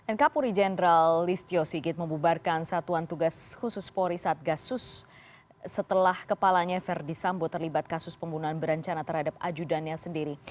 nkpuri jenderal listio sigit membubarkan satuan tugas khusus polri satgasus setelah kepalanya verdi sambo terlibat kasus pembunuhan berencana terhadap ajudannya sendiri